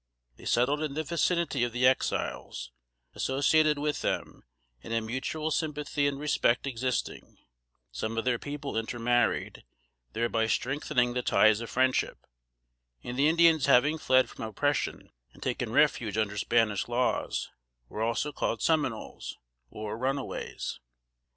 They settled in the vicinity of the Exiles, associated with them, and a mutual sympathy and respect existing, some of their people intermarried, thereby strengthening the ties of friendship, and the Indians having fled from oppression and taken refuge under Spanish laws, were also called Seminoles, or "runaways."